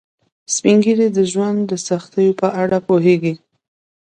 سپین ږیری د ژوند د سختیو په اړه پوهیږي